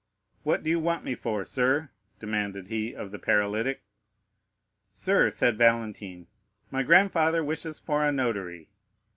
"What do you want me for, sir?" demanded he of the paralytic. "Sir," said Valentine, "my grandfather wishes for a notary."